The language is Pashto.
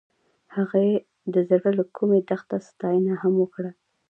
هغې د زړه له کومې د دښته ستاینه هم وکړه.